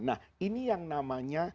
nah ini yang namanya